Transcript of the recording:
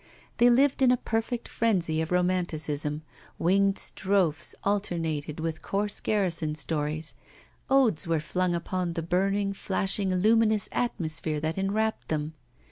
They lived in a perfect frenzy of romanticism, winged strophes alternated with coarse garrison stories, odes were flung upon the burning, flashing, luminous atmosphere that enwrapt them.